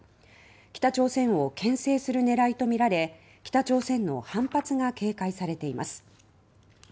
北朝鮮を牽制する狙いとみられ北朝鮮の反発が警戒されています。